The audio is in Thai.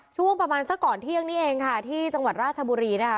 ช่วงประมาณสักก่อนเที่ยงนี้เองค่ะที่จังหวัดราชบุรีนะคะ